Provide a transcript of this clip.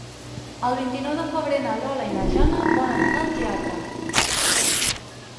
El vint-i-nou de febrer na Lola i na Jana volen anar al teatre.